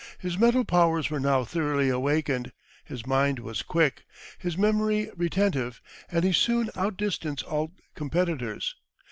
His mental powers were now thoroughly awakened, his mind was quick, his memory retentive, and he soon out distanced all competitors.